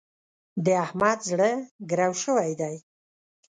د احمد زړه ګرو شوی دی.